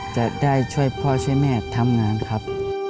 จะได้ช่วยพ่อช่วยแม่ทำงานครับ